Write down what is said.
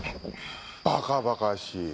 バカバカしい。